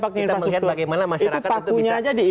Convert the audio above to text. kita melihat bagaimana masyarakat itu bisa